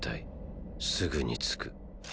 すぐに着く。！